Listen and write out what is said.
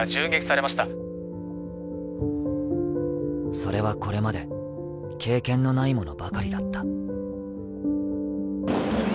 それはこれまで、経験のないものばかりだった。